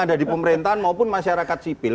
yang ada di pemerintahan maupun masyarakat sipil